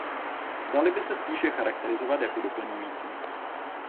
Dali by se spíše charakterizovat jako doplňující.